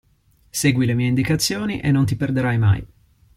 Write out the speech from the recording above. Segui le mie indicazioni e non ti perderai mai.